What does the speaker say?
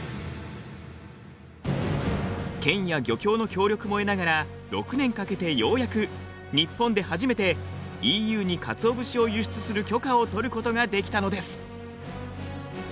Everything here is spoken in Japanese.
県や漁協の協力も得ながら６年かけてようやく日本で初めてＥＵにかつお節を輸出する許可を取ることができたのです。